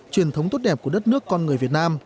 truyền thống tốt đẹp của đất nước con người việt nam